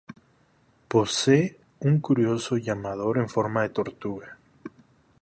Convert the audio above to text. Posee un curioso llamador en forma de tortuga.